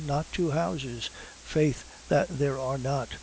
Not two houses. Faith, that there are not.